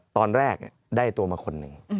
ตอนแรกได้ตัวมาคนหนึ่ง